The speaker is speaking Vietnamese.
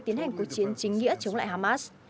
tiến hành cuộc chiến chính nghĩa chống lại hamas